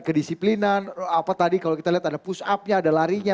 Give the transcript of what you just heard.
kedisiplinan apa tadi kalau kita lihat ada push up nya ada larinya